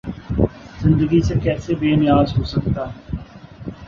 زندگی سے کیسے بے نیاز ہو سکتا ہے؟